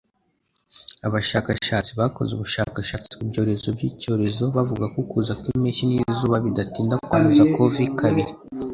Abashakashatsi bakoze ubushakashatsi ku byorezo by’icyorezo bavuga ko ukuza kw'impeshyi n'izuba bidatinda kwanduza covi-kabiri